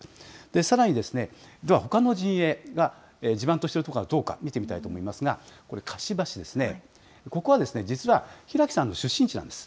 さらに、ではほかの陣営が地盤としている所はどうか、見てみたいと思いますが、これ、香芝市ですね、ここは実は、平木さんの出身地なんです。